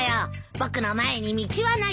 「僕の前に道はない。